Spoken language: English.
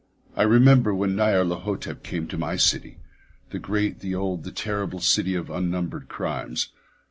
I remember when Nyarlathotep came to my city—the great, the old, the terrible city of unnumbered crimes.